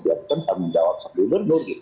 dia bukan tanggung jawab satu gubernur